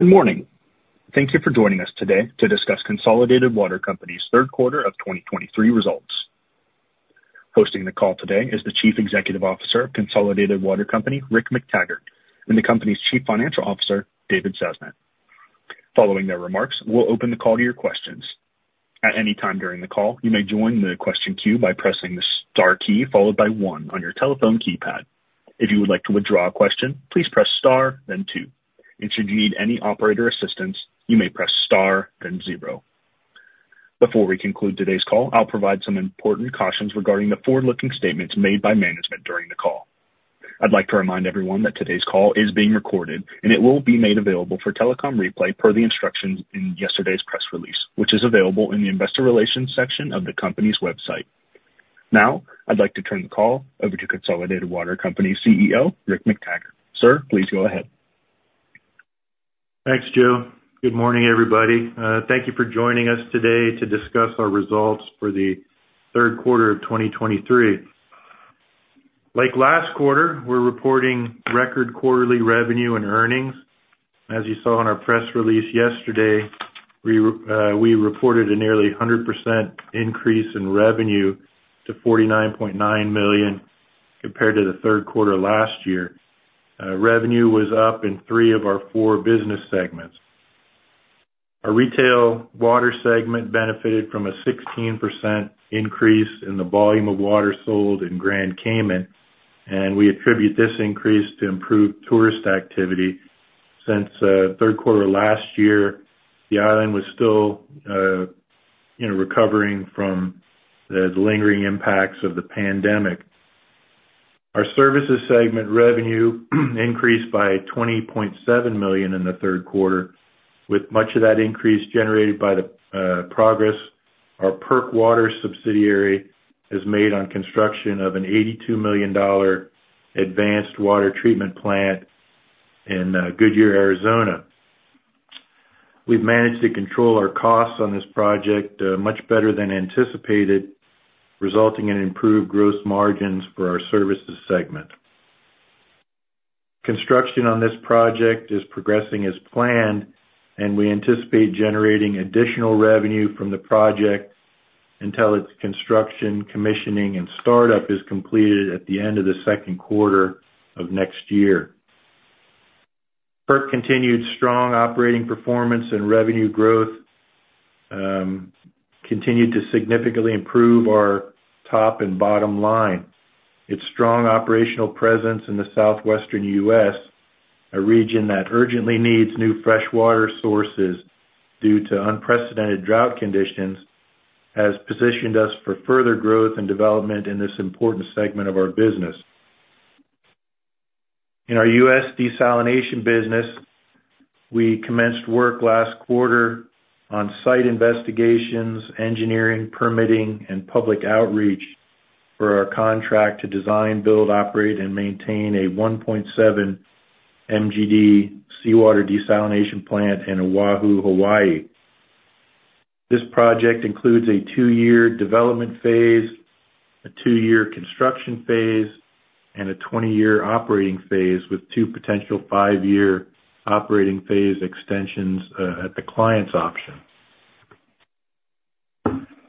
Good morning. Thank you for joining us today to discuss Consolidated Water Company's Third Quarter of 2023 Results. Hosting the call today is the Chief Executive Officer of Consolidated Water Company, Rick McTaggart, and the company's Chief Financial Officer, David Sasnett. Following their remarks, we'll open the call to your questions. At any time during the call, you may join the question queue by pressing the star key, followed by one on your telephone keypad. If you would like to withdraw a question, please press star, then two. Should you need any operator assistance, you may press star, then zero. Before we conclude today's call, I'll provide some important cautions regarding the forward-looking statements made by management during the call. I'd like to remind everyone that today's call is being recorded, and it will be made available for telecom replay per the instructions in yesterday's press release, which is available in the investor relations section of the company's website. Now, I'd like to turn the call over to Consolidated Water Company's CEO, Rick McTaggart. Sir, please go ahead. Thanks, Joe. Good morning, everybody. Thank you for joining us today to discuss our results for the third quarter of 2023. Like last quarter, we're reporting record quarterly revenue and earnings. As you saw in our press release yesterday, we reported a nearly 100% increase in revenue to $49.9 million compared to the third quarter last year. Revenue was up in three of our four business segments. Our Retail water segment benefited from a 16% increase in the volume of water sold in Grand Cayman, and we attribute this increase to improved tourist activity. Since third quarter last year, the island was still, you know, recovering from the lingering impacts of the pandemic. Our Services segment revenue increased by $20.7 million in the third quarter, with much of that increase generated by the progress our PERC Water subsidiary has made on construction of an $82 million advanced water treatment plant in Goodyear, Arizona. We've managed to control our costs on this project much better than anticipated, resulting in improved gross margins for our Services segment. Construction on this project is progressing as planned, and we anticipate generating additional revenue from the project until its construction, commissioning, and startup is completed at the end of the second quarter of next year. PERC continued strong operating performance and revenue growth continued to significantly improve our top and bottom line. Its strong operational presence in the southwestern U.S., a region that urgently needs new fresh water sources due to unprecedented drought conditions, has positioned us for further growth and development in this important segment of our business. In our U.S. desalination business, we commenced work last quarter on site investigations, engineering, permitting, and public outreach for our contract to design, build, operate, and maintain a 1.7 MGD seawater desalination plant in Oahu, Hawaii. This project includes a two-year development phase, a two-year construction phase, and a 20-year operating phase, with two potential five-year operating phase extensions, at the client's option.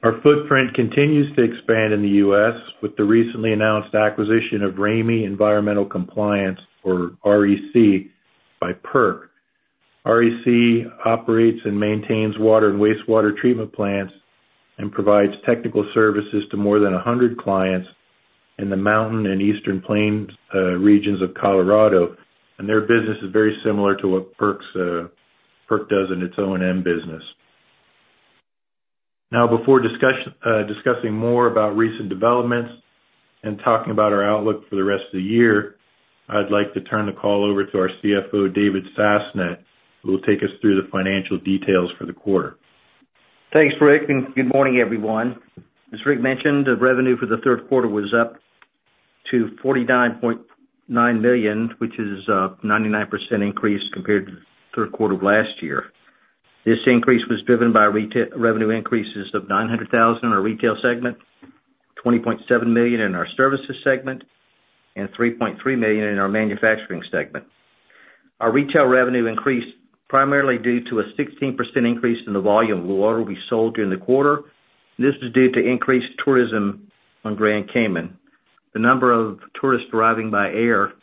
Our footprint continues to expand in the U.S. with the recently announced acquisition of Ramey Environmental Compliance, or REC, by PERC. REC operates and maintains water and wastewater treatment plants and provides technical Services to more than 100 clients in the Mountain and Eastern Plains, regions of Colorado, and their business is very similar to what PERC's, PERC does in its own end business. Now, before discussing more about recent developments and talking about our outlook for the rest of the year, I'd like to turn the call over to our CFO, David Sasnett, who will take us through the financial details for the quarter. Thanks, Rick, and good morning, everyone. As Rick mentioned, the revenue for the third quarter was up to $49.9 million, which is a 99% increase compared to the third quarter of last year. This increase was driven by Retail revenue increases of $900,000 in our Retail segment, $20.7 million in our Services segment, and $3.3 million in our Manufacturing segment. Our Retail revenue increased primarily due to a 16% increase in the volume of water we sold during the quarter. This is due to increased tourism on Grand Cayman. The number of tourists arriving by air,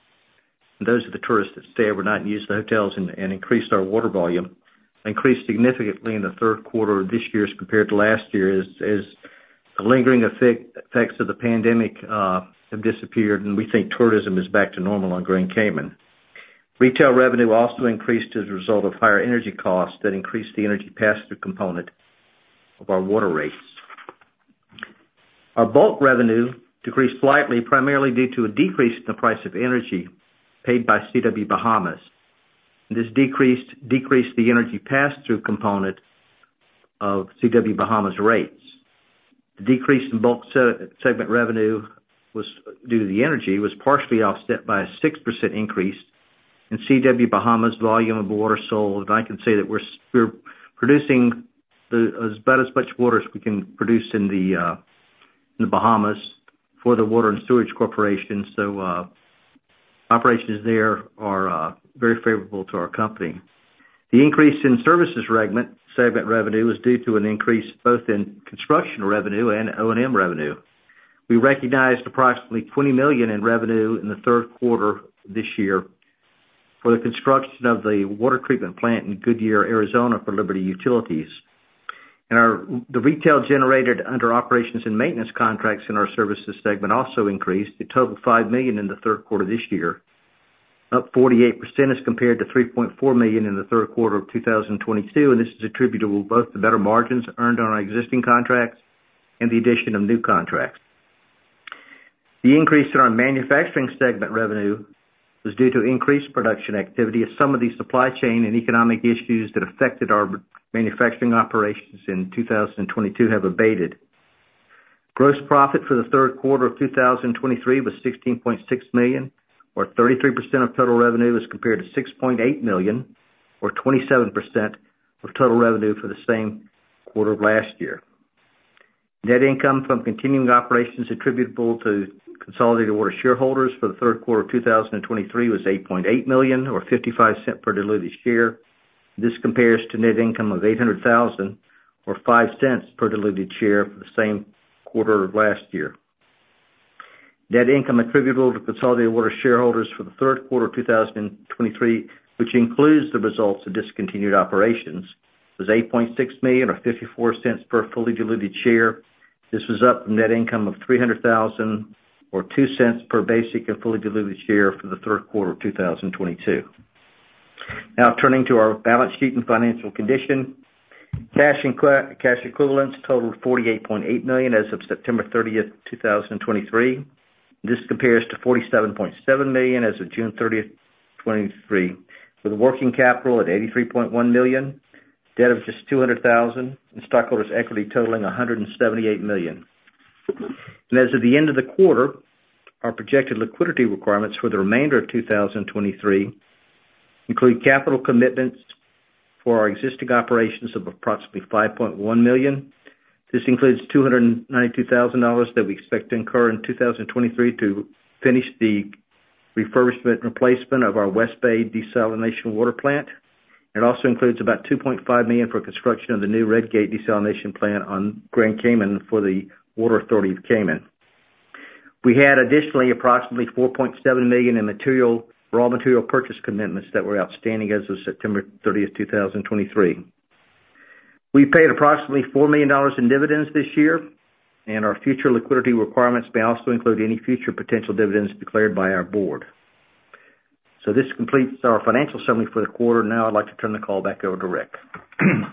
those are the tourists that stay overnight and use the hotels and increased our water volume, increased significantly in the third quarter of this year as compared to last year as the lingering effects of the pandemic have disappeared and we think tourism is back to normal on Grand Cayman. Retail revenue also increased as a result of higher energy costs that increased the energy pass-through component of our water rates. Our Bulk revenue decreased slightly, primarily due to a decrease in the price of energy paid by CW Bahamas. This decreased the energy pass-through component of CW Bahamas' rates. The decrease in Bulk segment revenue was partially offset by a 6% increase in CW Bahamas' volume of water sold. I can say that we're producing about as much water as we can produce in the Bahamas for the Water and Sewerage Corporation, so operations there are very favorable to our company. The increase in Services segment revenue is due to an increase both in construction revenue and O&M revenue. We recognized approximately $20 million in revenue in the third quarter this year for the construction of the water treatment plant in Goodyear, Arizona, for Liberty Utilities. And the Retail generated under operations and maintenance contracts in our Services segment also increased to a total of $5 million in the third quarter this year, up 48% as compared to $3.4 million in the third quarter of 2022, and this is attributable to both the better margins earned on our existing contracts and the addition of new contracts. The increase in our Manufacturing segment revenue was due to increased production activity, as some of the supply chain and economic issues that affected our Manufacturing operations in 2022 have abated. Gross profit for the third quarter of 2023 was $16.6 million, or 33% of total revenue, as compared to $6.8 million, or 27% of total revenue for the same quarter of last year. Net income from continuing operations attributable to Consolidated Water shareholders for the third quarter of 2023 was $8.8 million, or $0.55 per diluted share. This compares to net income of $800,000, or $0.05 per diluted share for the same quarter of last year. Net income attributable to Consolidated Water shareholders for the third quarter of 2023, which includes the results of discontinued operations, was $8.6 million, or $0.54 per fully diluted share. This was up from net income of $300,000, or $0.02 per basic and fully diluted share for the third quarter of 2022. Now turning to our balance sheet and financial condition. Cash and cash equivalents totaled $48.8 million as of September 30, 2023. This compares to $47.7 million as of June 30, 2023, with working capital at $83.1 million, debt of just $200,000, and stockholders' equity totaling $178 million. As of the end of the quarter, our projected liquidity requirements for the remainder of 2023 include capital commitments for our existing operations of approximately $5.1 million. This includes $292,000 that we expect to incur in 2023 to finish the refurbishment and replacement of our West Bay Desalination Plant. It also includes about $2.5 million for construction of the new Red Gate Desalination Plant on Grand Cayman for the Water Authority-Cayman. We had additionally approximately $4.7 million in raw material purchase commitments that were outstanding as of September 30, 2023. We paid approximately $4 million in dividends this year, and our future liquidity requirements may also include any future potential dividends declared by our board. So this completes our financial summary for the quarter. Now I'd like to turn the call back over to Rick.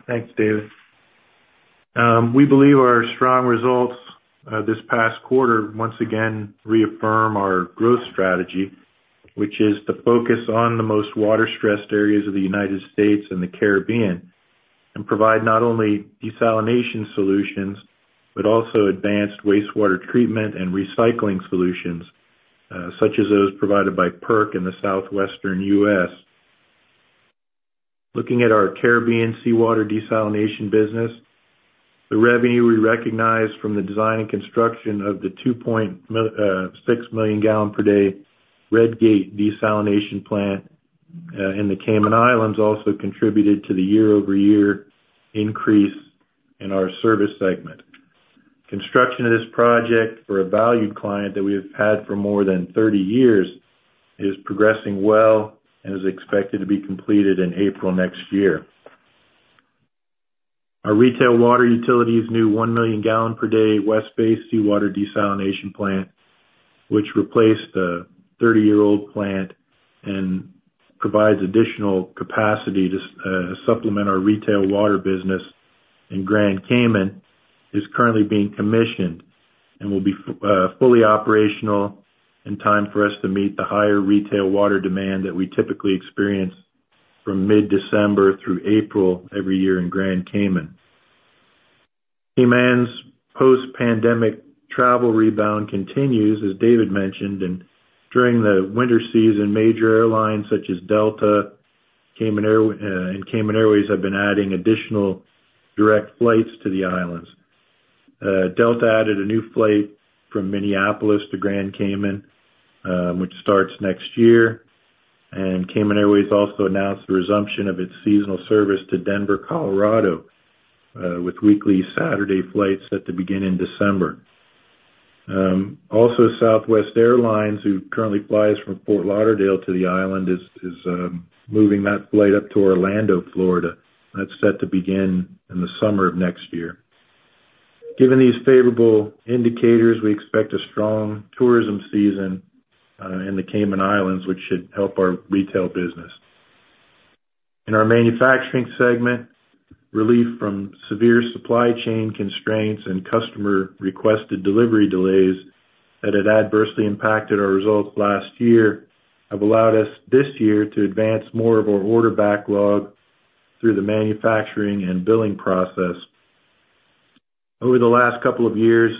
Thanks, David. We believe our strong results this past quarter once again reaffirm our growth strategy, which is to focus on the most water-stressed areas of the United States and the Caribbean, and provide not only desalination solutions, but also advanced wastewater treatment and recycling solutions such as those provided by PERC in the southwestern U.S. Looking at our Caribbean seawater desalination business, the revenue we recognized from the design and construction of the 2.6 million gallon per day Red Gate Desalination Plant in the Cayman Islands also contributed to the year-over-year increase in our Service segment. Construction of this project for a valued client that we have had for more than 30 years is progressing well and is expected to be completed in April next year. Our Retail water utilities' new 1 million gallon per day West Bay Seawater Desalination Plant, which replaced a 30-year-old plant and provides additional capacity to supplement our Retail water business in Grand Cayman, is currently being commissioned and will be fully operational in time for us to meet the higher Retail water demand that we typically experience from mid-December through April every year in Grand Cayman. Cayman's post-pandemic travel rebound continues, as David mentioned, and during the winter season, major airlines such as Delta and Cayman Airways have been adding additional direct flights to the islands. Delta added a new flight from Minneapolis to Grand Cayman, which starts next year. Cayman Airways also announced the resumption of its seasonal service to Denver, Colorado, with weekly Saturday flights set to begin in December. Also, Southwest Airlines, who currently flies from Fort Lauderdale to the island, is moving that flight up to Orlando, Florida. That's set to begin in the summer of next year. Given these favorable indicators, we expect a strong tourism season in the Cayman Islands, which should help our Retail business. In our Manufacturing segment, relief from severe supply chain constraints and customer-requested delivery delays that had adversely impacted our results last year, have allowed us this year to advance more of our order backlog through the Manufacturing and billing process. Over the last couple of years,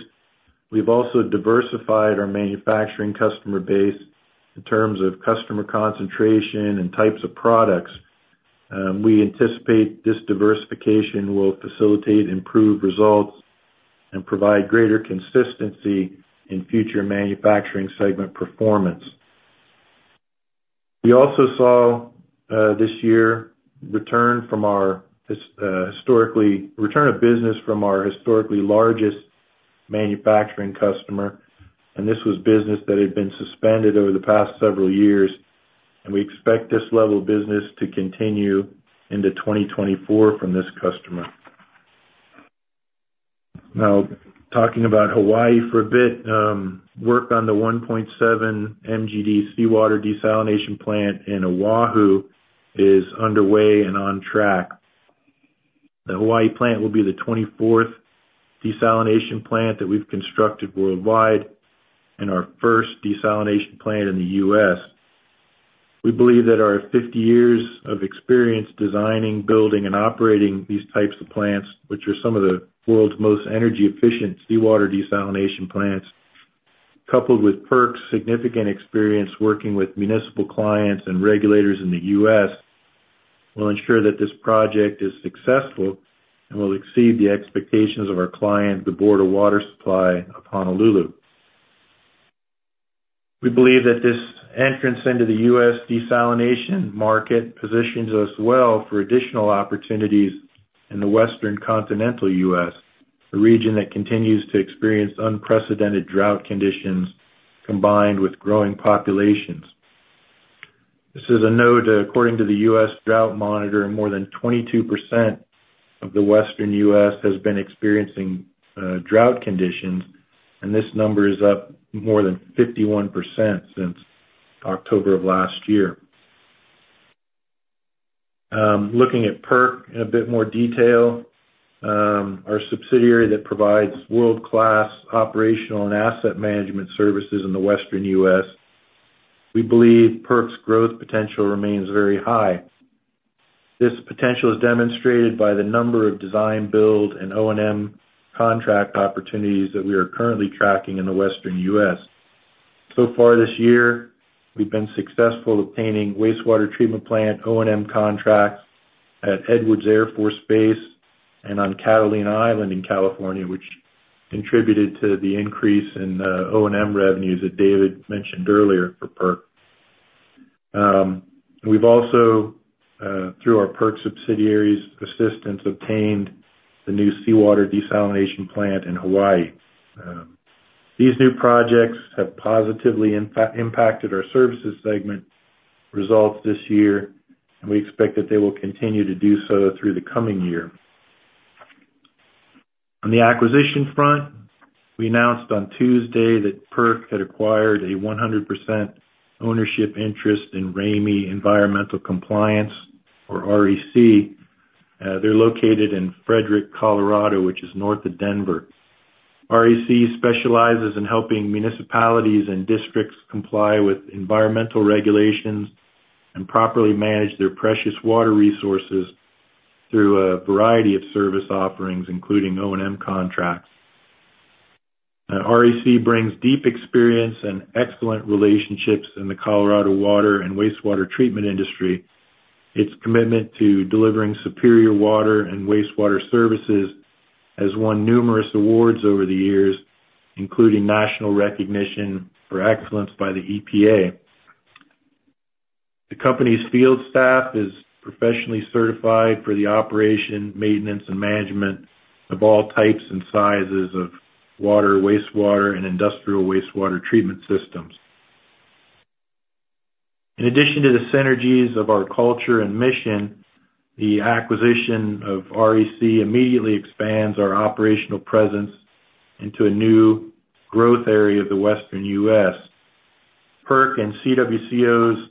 we've also diversified our Manufacturing customer base in terms of customer concentration and types of products. We anticipate this diversification will facilitate improved results and provide greater consistency in future Manufacturing segment performance. We also saw this year return of business from our historically largest Manufacturing customer, and this was business that had been suspended over the past several years, and we expect this level of business to continue into 2024 from this customer. Now, talking about Hawaii for a bit, work on the 1.7 MGD seawater desalination plant in O'ahu is underway and on track. The Hawaii plant will be the 24th desalination plant that we've constructed worldwide and our first desalination plant in the U.S. We believe that our 50 years of experience designing, building, and operating these types of plants, which are some of the world's most energy-efficient seawater desalination plants, coupled with PERC's significant experience working with municipal clients and regulators in the U.S., will ensure that this project is successful and will exceed the expectations of our client, the Board of Water Supply of Honolulu. We believe that this entrance into the U.S. desalination market positions us well for additional opportunities in the western continental U.S., a region that continues to experience unprecedented drought conditions combined with growing populations. This is a note, according to the U.S. Drought Monitor, more than 22% of the western U.S. has been experiencing drought conditions, and this number is up more than 51% since October of last year. Looking at PERC in a bit more detail, our subsidiary that provides world-class operational and asset management services in the western U.S., we believe PERC's growth potential remains very high. This potential is demonstrated by the number of design, build, and O&M contract opportunities that we are currently tracking in the western U.S. So far this year, we've been successful obtaining wastewater treatment plant O&M contracts at Edwards Air Force Base and on Catalina Island in California, which contributed to the increase in O&M revenues that David mentioned earlier for PERC. We've also through our PERC subsidiary's assistance, obtained the new seawater desalination plant in Hawaii. These new projects have positively impacted our Services segment results this year, and we expect that they will continue to do so through the coming year. On the acquisition front, we announced on Tuesday that PERC had acquired a 100% ownership interest in Ramey Environmental Compliance, or REC. They're located in Frederick, Colorado, which is north of Denver. REC specializes in helping municipalities and districts comply with environmental regulations and properly manage their precious water resources through a variety of service offerings, including O&M contracts. REC brings deep experience and excellent relationships in the Colorado water and wastewater treatment industry. Its commitment to delivering superior water and wastewater Services has won numerous awards over the years, including national recognition for excellence by the EPA. The company's field staff is professionally certified for the operation, maintenance, and management of all types and sizes of water, wastewater, and industrial wastewater treatment systems. In addition to the synergies of our culture and mission, the acquisition of REC immediately expands our operational presence into a new growth area of the western U.S. PERC and CWCO's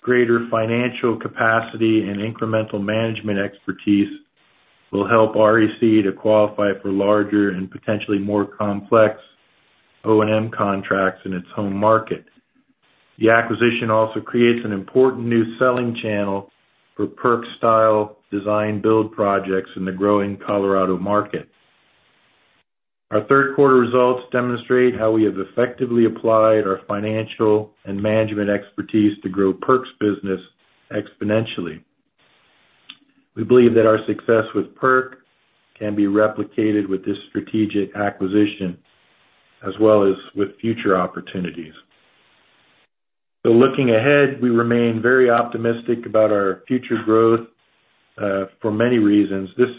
greater financial capacity and incremental management expertise will help REC to qualify for larger and potentially more complex O&M contracts in its home market. The acquisition also creates an important new selling channel for PERC-style design build projects in the growing Colorado market. Our third quarter results demonstrate how we have effectively applied our financial and management expertise to grow PERC's business exponentially. We believe that our success with PERC can be replicated with this strategic acquisition, as well as with future opportunities. So looking ahead, we remain very optimistic about our future growth, for many reasons. This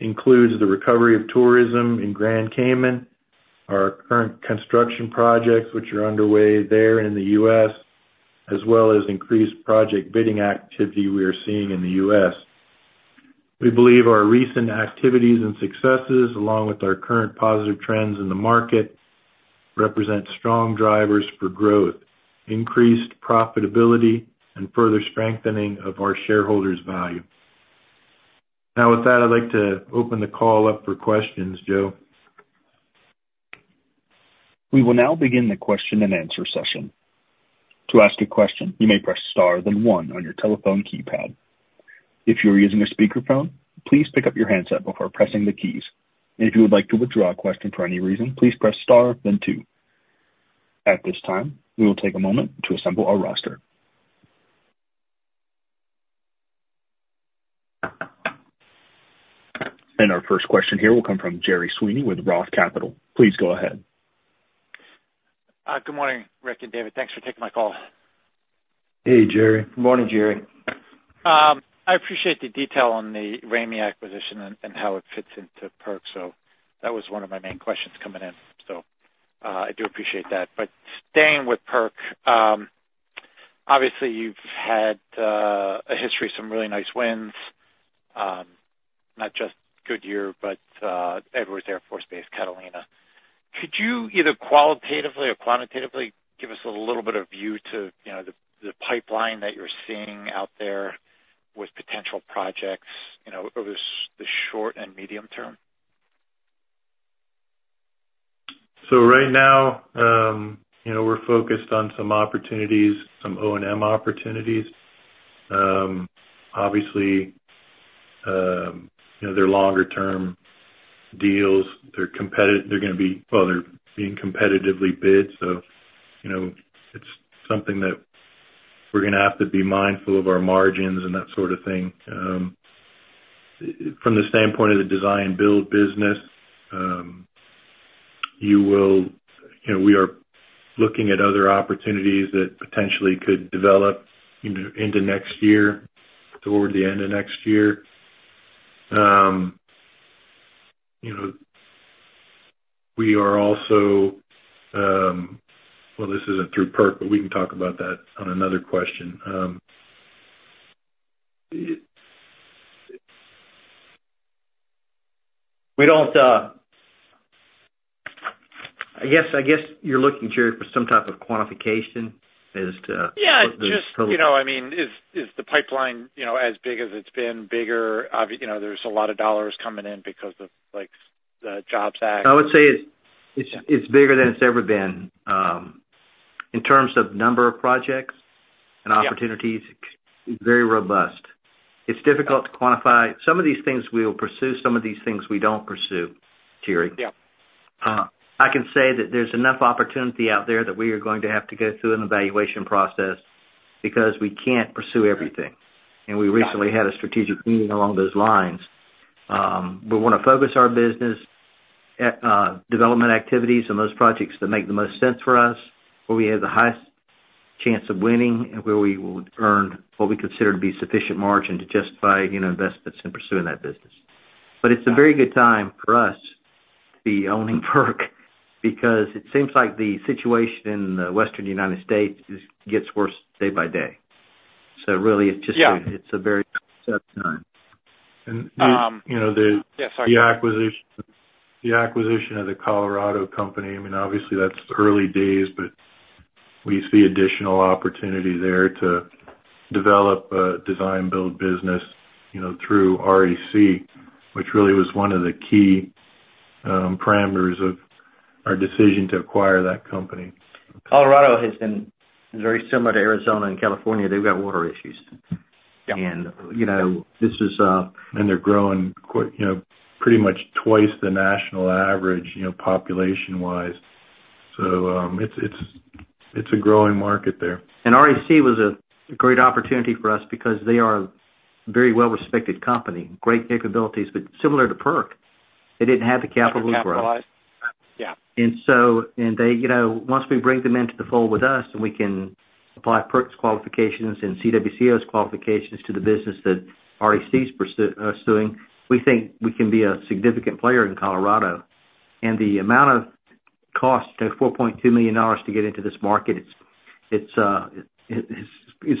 includes the recovery of tourism in Grand Cayman, our current construction projects, which are underway there and in the U.S., as well as increased project bidding activity we are seeing in the U.S. We believe our recent activities and successes, along with our current positive trends in the market, represent strong drivers for growth, increased profitability, and further strengthening of our shareholders' value. Now, with that, I'd like to open the call up for questions, Joe. We will now begin the question-and-answer session. To ask a question, you may press star, then one on your telephone keypad. If you are using a speakerphone, please pick up your handset before pressing the keys. If you would like to withdraw a question for any reason, please press star, then two. At this time, we will take a moment to assemble our roster. Our first question here will come from Gerry Sweeney with Roth Capital. Please go ahead. Good morning, Rick and David. Thanks for taking my call. Hey, Gerry. Good morning, Gerry. I appreciate the detail on the Ramey acquisition and how it fits into PERC, so that was one of my main questions coming in. So, I do appreciate that. But staying with PERC, obviously, you've had a history of some really nice wins, not just Goodyear, but Edwards Air Force Base, Catalina. Could you either qualitatively or quantitatively give us a little bit of view to, you know, the pipeline that you're seeing out there with potential projects, you know, over the short and medium term? So right now, you know, we're focused on some opportunities, some O&M opportunities. Obviously, you know, they're longer term deals. They're gonna be well, they're being competitively bid, so, you know, it's something that we're gonna have to be mindful of our margins and that sort of thing. From the standpoint of the design build business, you know, we are looking at other opportunities that potentially could develop into next year, toward the end of next year. You know, we are also. Well, this isn't through PERC, but we can talk about that on another question. It- We don't, I guess you're looking, Gerry, for some type of quantification as to- Yeah, just, you know, I mean, is the pipeline, you know, as big as it's been, bigger? You know, there's a lot of dollars coming in because of, like, the Jobs Act. I would say it's bigger than it's ever been. In terms of number of projects- Yeah and opportunities, it's very robust. It's difficult to quantify. Some of these things we will pursue, some of these things we don't pursue, Gerry. Yeah. I can say that there's enough opportunity out there that we are going to have to go through an evaluation process, because we can't pursue everything. Yeah. We recently had a strategic meeting along those lines. We wanna focus our business development activities on those projects that make the most sense for us, where we have the highest chance of winning and where we would earn what we consider to be sufficient margin to justify, you know, investments in pursuing that business. But it's a very good time for us to be owning PERC, because it seems like the situation in the Western United States is, gets worse day by day. So really, it's just- Yeah It's a very good time. And, you know, Yes, sorry. The acquisition, the acquisition of the Colorado company, I mean, obviously that's early days, but we see additional opportunity there to develop a design build business, you know, through REC, which really was one of the key parameters of our decision to acquire that company. Colorado has been very similar to Arizona and California. They've got water issues. Yeah. And, you know, this is They're growing quite, you know, pretty much twice the national average, you know, population-wise. So, it's a growing market there. REC was a great opportunity for us because they are a very well-respected company, great capabilities, but similar to PERC, they didn't have the capital to grow. Capitalize. Yeah. And so they, you know, once we bring them into the fold with us, and we can apply PERC's qualifications and CWCO's qualifications to the business that REC's pursuing, we think we can be a significant player in Colorado. And the amount of cost, the $4.2 million to get into this market, it's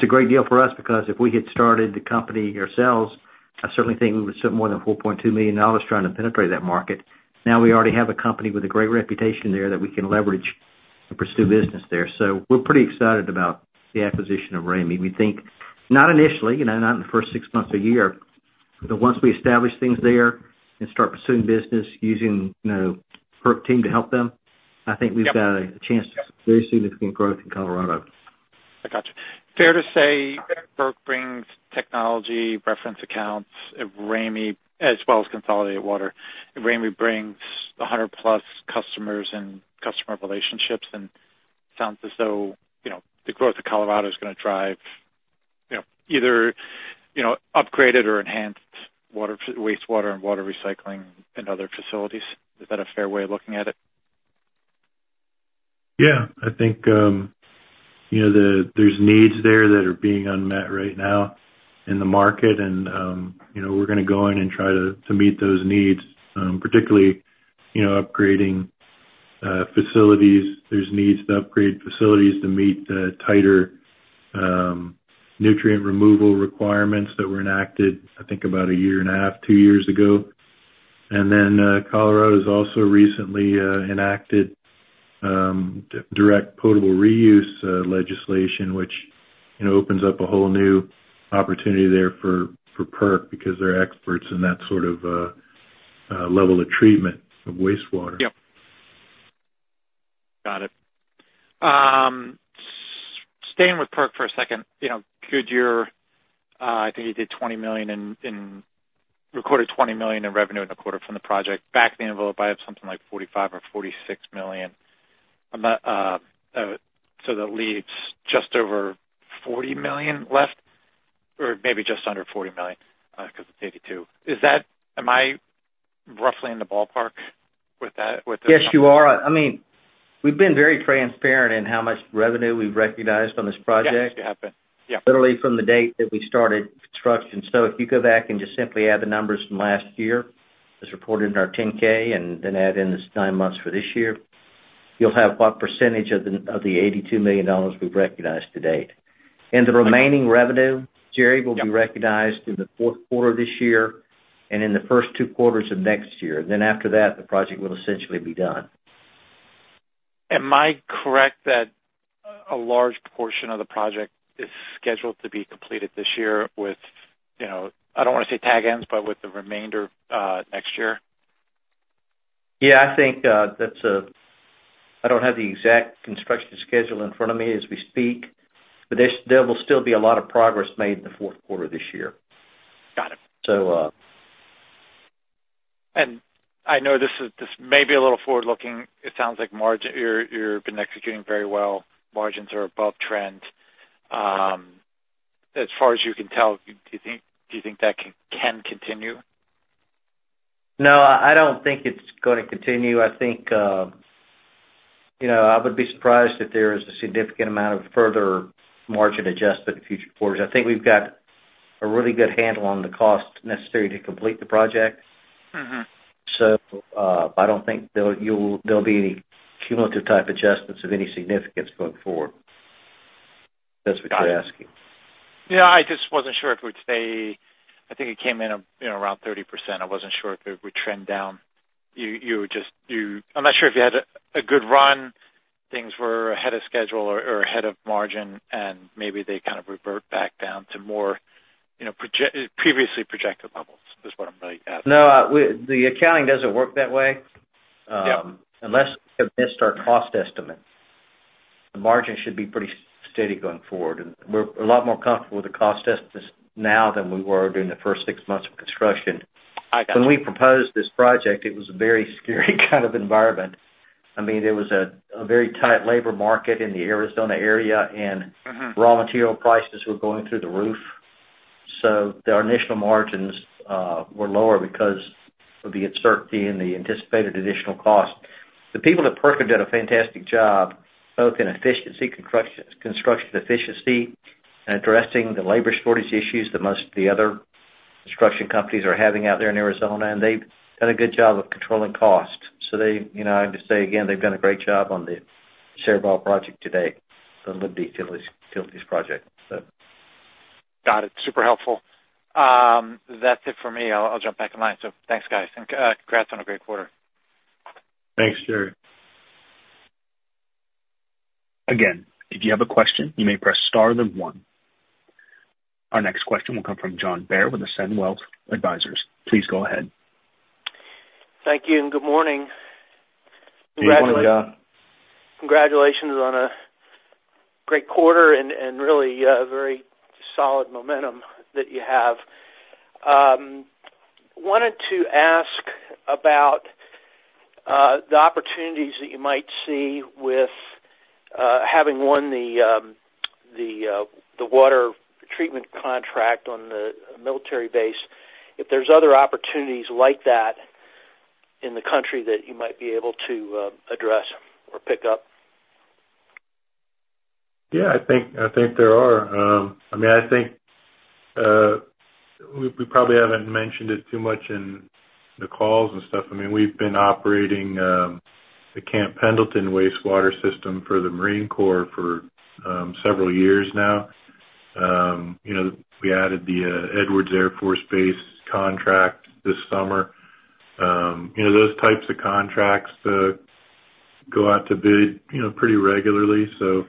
a great deal for us, because if we had started the company ourselves, I certainly think we would have spent more than $4.2 million trying to penetrate that market. Now, we already have a company with a great reputation there that we can leverage to pursue business there. So we're pretty excited about the acquisition of Ramey. We think, not initially, you know, not in the first six months or year, but once we establish things there and start pursuing business, using, you know, PERC team to help them, I think we've got a chance for very significant growth in Colorado. I got you. Fair to say, PERC brings technology, reference accounts, and Ramey, as well as Consolidated Water, and Ramey brings 100-plus customers and customer relationships, and it sounds as though, you know, the growth of Colorado is gonna drive, you know, either, you know, upgraded or enhanced water, wastewater and water recycling and other facilities. Is that a fair way of looking at it? Yeah. I think, you know, there's needs there that are being unmet right now in the market, and, you know, we're gonna go in and try to meet those needs, particularly, you know, upgrading facilities. There's needs to upgrade facilities to meet the tighter, nutrient removal requirements that were enacted, I think about a year and a half, two years ago. And then, Colorado has also recently, enacted, Direct Potable Reuse, legislation, which, you know, opens up a whole new opportunity there for, for PERC because they're experts in that sort of, level of treatment of wastewater. Yep. Got it. Staying with PERC for a second, you know, could your, I think you did $20 million recorded $20 million in revenue in the quarter from the project. Back of the envelope, I have something like $45 million or $46 million. Am I, so that leaves just over $40 million left, or maybe just under $40 million, because of the $82 million. Am I roughly in the ballpark with that, with this? Yes, you are. I mean, we've been very transparent in how much revenue we've recognized on this project. Yes, you have been. Yeah. Literally from the date that we started construction. So if you go back and just simply add the numbers from last year, as reported in our 10-K, and then add in this 9 months for this year, you'll have what percentage of the $82 million we've recognized to date. And the remaining revenue, Gerry- Yep. Will be recognized in the fourth quarter of this year and in the first two quarters of next year, and then after that, the project will essentially be done. Am I correct that a large portion of the project is scheduled to be completed this year with, you know, I don't want to say tag ends, but with the remainder, next year? Yeah, I think that's. I don't have the exact construction schedule in front of me as we speak, but there will still be a lot of progress made in the fourth quarter this year. Got it. So, uh- I know this is, this may be a little forward looking. It sounds like margin. You're been executing very well. Margins are above trend. As far as you can tell, do you think that can continue? No, I don't think it's going to continue. I think, you know, I would be surprised if there is a significant amount of further margin adjustment in future quarters. I think we've got a really good handle on the cost necessary to complete the project. Mm-hmm. I don't think there'll be any cumulative type adjustments of any significance going forward. If that's what you're asking. Yeah, I just wasn't sure if it would stay. I think it came in, you know, around 30%. I wasn't sure if it would trend down. You were just, I'm not sure if you had a good run, things were ahead of schedule or ahead of margin, and maybe they kind of revert back down to more, you know, previously projected levels, is what I'm really asking. No, the accounting doesn't work that way. Yeah. Unless we have missed our cost estimate, the margin should be pretty steady going forward, and we're a lot more comfortable with the cost estimates now than we were during the first six months of construction. I got it. When we proposed this project, it was a very scary kind of environment. I mean, there was a very tight labor market in the Arizona area, and- Mm-hmm. Raw material prices were going through the roof. So our initial margins were lower because of the uncertainty and the anticipated additional cost. The people at PERC did a fantastic job, both in efficiency, construction efficiency and addressing the labor shortage issues that most of the other construction companies are having out there in Arizona, and they've done a good job of controlling costs. So they, you know, I have to say again, they've done a great job on the Sarival project today, on the Liberty Utilities, Liberty Utilities project, so. Got it. Super helpful. That's it for me. I'll jump back in line. So thanks, guys, and congrats on a great quarter. Thanks, Gerry. Again, if you have a question, you may press star, then one. Our next question will come from John Bair with Ascend Wealth Advisors. Please go ahead. Thank you, and good morning. Good morning, John. Congratulations on a great quarter and really very solid momentum that you have. Wanted to ask about the opportunities that you might see with having won the water treatment contract on the military base, if there's other opportunities like that in the country that you might be able to address or pick up? Yeah, I think, I think there are. I mean, I think we probably haven't mentioned it too much in the calls and stuff. I mean, we've been operating the Camp Pendleton wastewater system for the Marine Corps for several years now. You know, we added the Edwards Air Force Base contract this summer. You know, those types of contracts go out to bid, you know, pretty regularly. So,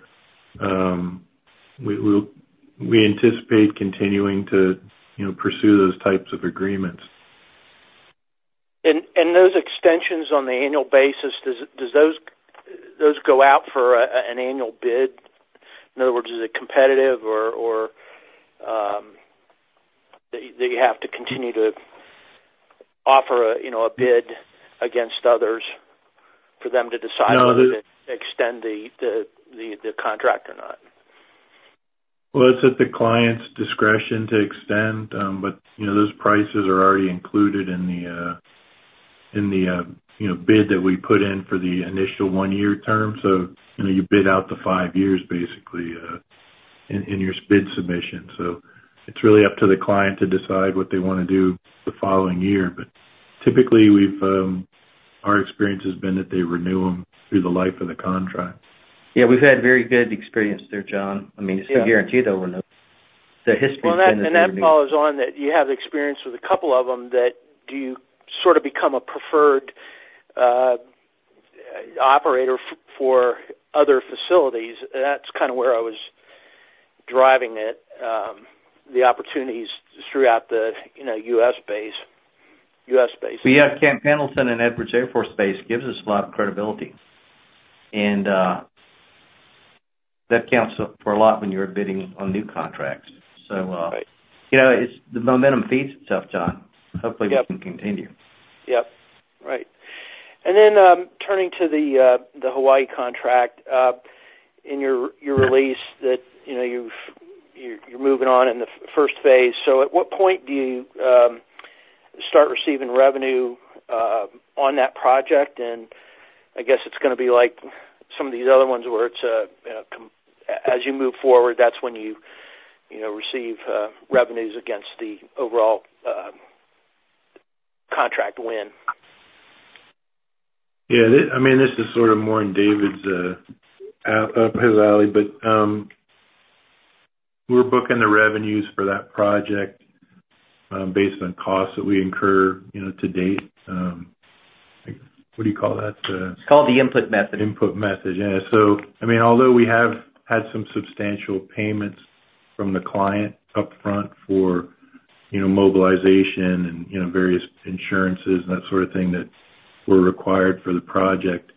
we anticipate continuing to, you know, pursue those types of agreements. Those extensions on the annual basis, does those go out for an annual bid? In other words, is it competitive or they have to continue to offer, you know, a bid against others for them to decide- No. whether to extend the contract or not? Well, it's at the client's discretion to extend, but, you know, those prices are already included in the, you know, bid that we put in for the initial one-year term. So, you know, you bid out the five years, basically, in your bid submission. So it's really up to the client to decide what they want to do the following year. But typically, we've, our experience has been that they renew them through the life of the contract. Yeah, we've had very good experience there, John. I mean, it's no guarantee, though, the history- Well, and that follows on that you have experience with a couple of them that do you sort of become a preferred operator for other facilities? That's kind of where I was driving it, the opportunities throughout the, you know, U.S. base.... U.S. base. We have Camp Pendleton and Edwards Air Force Base gives us a lot of credibility, and that counts for a lot when you're bidding on new contracts. So- Right. You know, it's the momentum feeds itself, John. Yep. Hopefully, we can continue. Yep. Right. And then, turning to the Hawaii contract, in your release that, you know, you've- you're moving on in the first phase. So at what point do you start receiving revenue on that project? And I guess it's gonna be like some of these other ones where it's, you know, as you move forward, that's when you, you know, receive revenues against the overall contract win. Yeah, I mean, this is sort of more in David's up his alley, but, we're booking the revenues for that project based on costs that we incur, you know, to date. What do you call that? It's called the input method. Input method, yeah. So, I mean, although we have had some substantial payments from the client upfront for, you know, mobilization and, you know, various insurances and that sort of thing that were required for the project,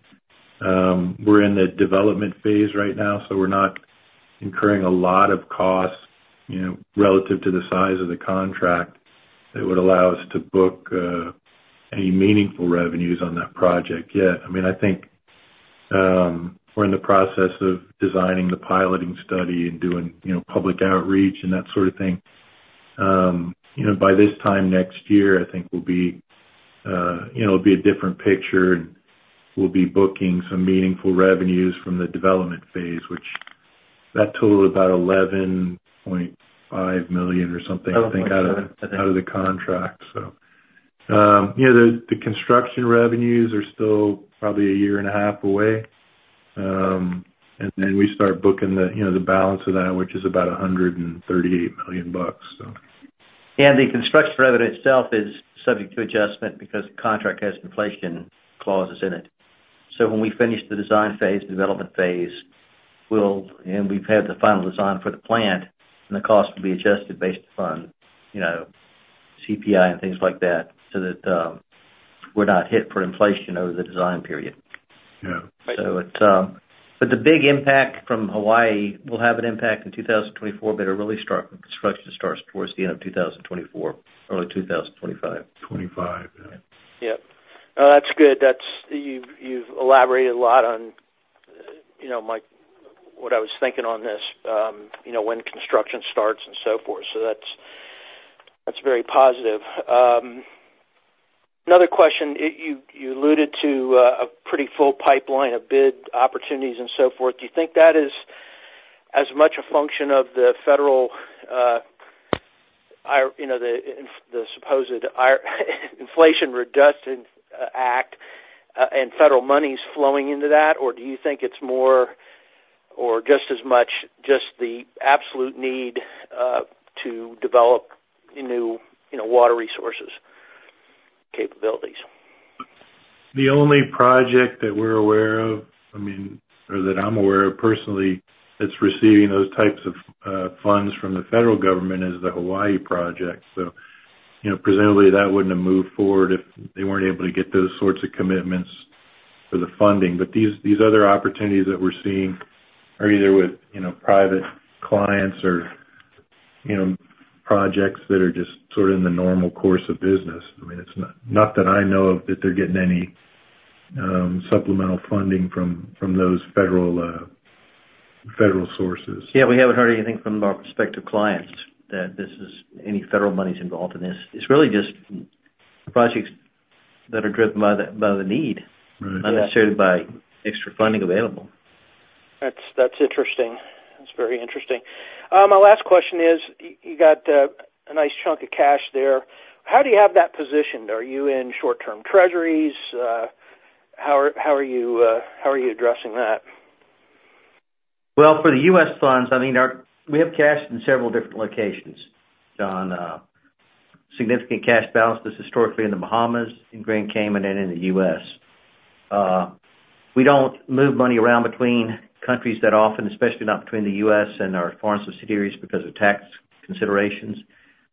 we're in the development phase right now, so we're not incurring a lot of costs, you know, relative to the size of the contract that would allow us to book any meaningful revenues on that project yet. I mean, I think, we're in the process of designing the piloting study and doing, you know, public outreach and that sort of thing. You know, by this time next year, I think we'll be, you know, it'll be a different picture, and we'll be booking some meaningful revenues from the development phase, which that total is about $11.5 million or something, I think, out of the contract. So, you know, the construction revenues are still probably a year and a half away. And then we start booking the, you know, the balance of that, which is about $138 million bucks, so. The construction revenue itself is subject to adjustment because the contract has inflation clauses in it. So when we finish the design phase, the development phase, we'll have the final design for the plant, and the cost will be adjusted based upon, you know, CPI and things like that, so that we're not hit for inflation over the design period. Yeah. But the big impact from Hawaii will have an impact in 2024, but a really strong construction starts towards the end of 2024, or 2025. Twenty-five, yeah. Yep. No, that's good. That's, you've elaborated a lot on, you know, my, what I was thinking on this, you know, when construction starts and so forth. So that's, that's very positive. Another question, you alluded to a pretty full pipeline of bid opportunities and so forth. Do you think that is as much a function of the federal IRA, you know, the supposed Inflation Reduction Act, and federal monies flowing into that? Or do you think it's more or just as much just the absolute need to develop new, you know, water resources capabilities? The only project that we're aware of, I mean, or that I'm aware of personally, that's receiving those types of funds from the federal government is the Hawaii project. So, you know, presumably, that wouldn't have moved forward if they weren't able to get those sorts of commitments for the funding. But these other opportunities that we're seeing are either with, you know, private clients or, you know, projects that are just sort of in the normal course of business. I mean, it's not that I know of, that they're getting any supplemental funding from those federal sources. Yeah, we haven't heard anything from our prospective clients that this is any federal monies involved in this. It's really just projects that are driven by the need- Right. - not necessarily by extra funding available. That's, that's interesting. That's very interesting. My last question is, you got a nice chunk of cash there. How do you have that positioned? Are you in short-term Treasuries? How are you addressing that? Well, for the U.S. funds, I mean, our. We have cash in several different locations, John. Significant cash balances historically in the Bahamas, in Grand Cayman, and in the U.S. We don't move money around between countries that often, especially not between the U.S. and our foreign subsidiaries, because of tax considerations.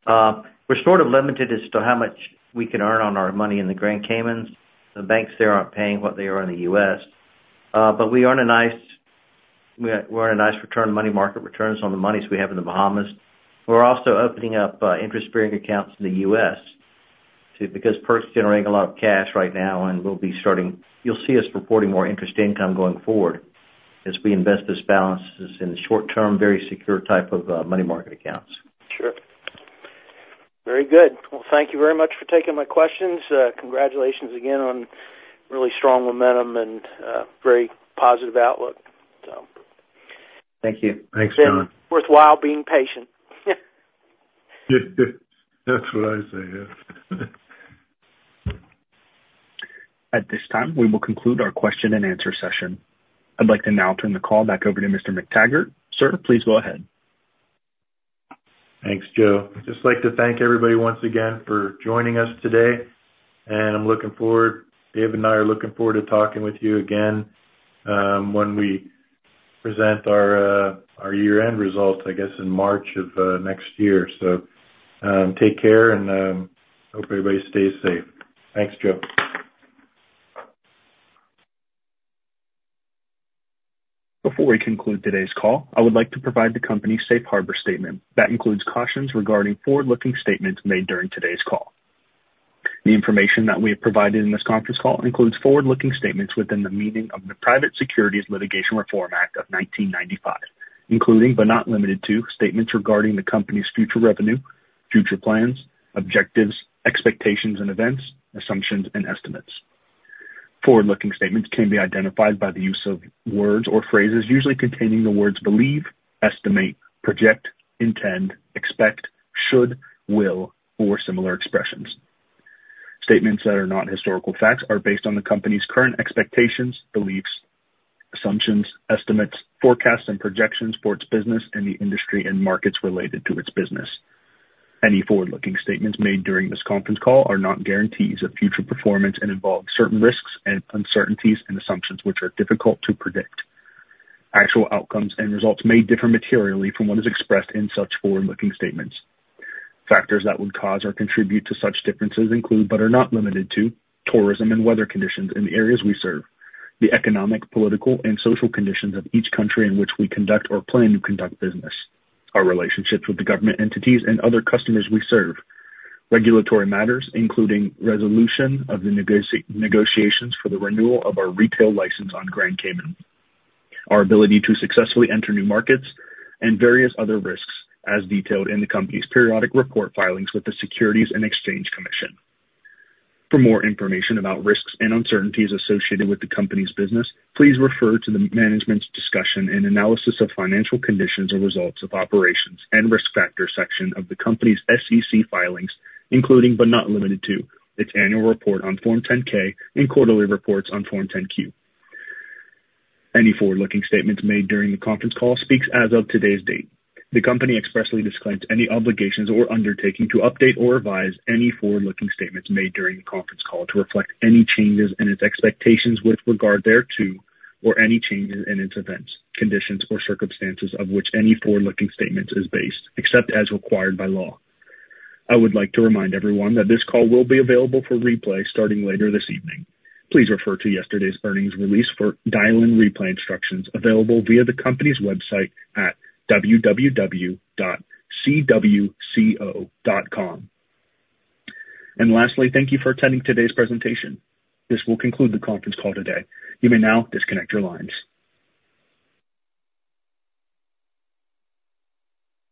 We're sort of limited as to how much we can earn on our money in the Grand Cayman. The banks there aren't paying what they are in the U.S. But we earn a nice return, money market returns on the monies we have in the Bahamas. We're also opening up interest-bearing accounts in the U.S. because PERC is generating a lot of cash right now, and we'll be starting. You'll see us reporting more interest income going forward as we invest this balances in short-term, very secure type of money market accounts. Sure. Very good. Well, thank you very much for taking my questions. Congratulations again on really strong momentum and very positive outlook, so. Thank you. Thanks, John. Worthwhile being patient. That's what I say, yeah. At this time, we will conclude our question-and-answer session. I'd like to now turn the call back over to Mr. McTaggart. Sir, please go ahead. Thanks, Joe. Just like to thank everybody once again for joining us today, and I'm looking forward, David and I are looking forward to talking with you again, when we present our year-end results, I guess, in March of next year. So, take care, and hope everybody stays safe. Thanks, Joe. Before we conclude today's call, I would like to provide the company's safe harbor statement. That includes cautions regarding forward-looking statements made during today's call. The information that we have provided in this conference call includes forward-looking statements within the meaning of the Private Securities Litigation Reform Act of 1995, including, but not limited to, statements regarding the company's future revenue, future plans, objectives, expectations and events, assumptions, and estimates. Forward-looking statements can be identified by the use of words or phrases, usually containing the words believe, estimate, project, intend, expect, should, will, or similar expressions. Statements that are not historical facts are based on the company's current expectations, beliefs, assumptions, estimates, forecasts, and projections for its business and the industry and markets related to its business. Any forward-looking statements made during this conference call are not guarantees of future performance and involve certain risks and uncertainties and assumptions which are difficult to predict. Actual outcomes and results may differ materially from what is expressed in such forward-looking statements. Factors that would cause or contribute to such differences include, but are not limited to, tourism and weather conditions in the areas we serve, the economic, political, and social conditions of each country in which we conduct or plan to conduct business, our relationships with the government entities and other customers we serve, regulatory matters, including resolution of the negotiations for the renewal of our Retail license on Grand Cayman, our ability to successfully enter new markets and various other risks as detailed in the company's periodic report filings with the Securities and Exchange Commission. For more information about risks and uncertainties associated with the company's business, please refer to the management's discussion and analysis of financial conditions or results of operations and risk factors section of the company's SEC filings, including, but not limited to, its annual report on Form 10-K and quarterly reports on Form 10-Q. Any forward-looking statements made during the conference call speak as of today's date. The company expressly disclaims any obligations or undertaking to update or revise any forward-looking statements made during the conference call to reflect any changes in its expectations with regard thereto or any changes in its events, conditions, or circumstances of which any forward-looking statement is based, except as required by law. I would like to remind everyone that this call will be available for replay starting later this evening. Please refer to yesterday's earnings release for dial-in replay instructions available via the company's website at www.cwco.com. Lastly, thank you for attending today's presentation. This will conclude the conference call today. You may now disconnect your lines.